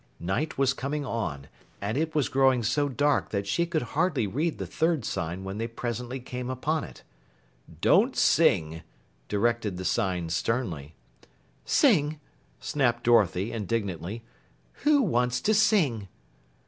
Night was coming on, and it was growing so dark that she could hardly read the third sign when they presently came upon it. "Don't sing," directed the sign sternly. "Sing!" snapped Dorothy indignantly, "Who wants to sing?"